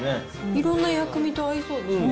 いろんな薬味と合いそうですね。